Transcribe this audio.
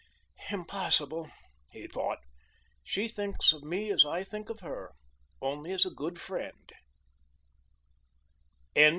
"Impossible," he thought. "She thinks of me as I think of her, only as a good friend."